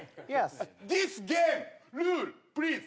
ディスゲームルールプリーズ。